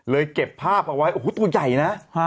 เก็บภาพเอาไว้โอ้โหตัวใหญ่นะ